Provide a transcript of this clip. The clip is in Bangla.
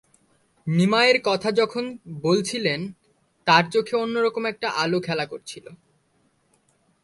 নিমাইয়ের কথা যখন বলছিলেন তার চোখে অন্য রকম একটা আলো খেলা করছিল।